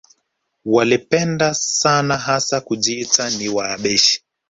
Walipenda sana hasa kujiita ni Wahabeshi